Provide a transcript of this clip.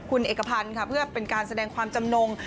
คุณเอกพันธ์ค่ะเพื่อเป็นการแสดงความจำนง